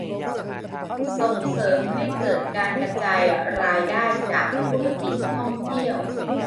ส่งเสริมให้เกิดการกระจายรายได้จากธุรกิจท่องเที่ยว